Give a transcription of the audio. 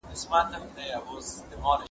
پيل به بل زرين دوران وي